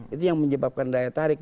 itu yang menyebabkan daya tarik